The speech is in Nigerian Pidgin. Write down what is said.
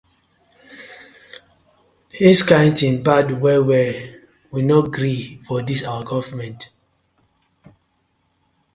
Dis kin tin bad well well, we no gree for dis our gofment.